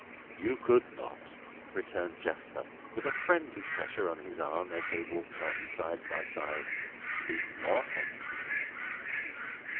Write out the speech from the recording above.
"You could not," returned Jasper, with a friendly pressure of his arm, as they walked on side by side, "speak more handsomely."